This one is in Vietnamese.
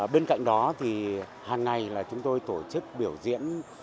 bên cạnh đó thì hàng ngày là chúng tôi tổ chức biểu diễn